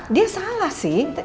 dia salah sih